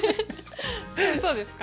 そうですか？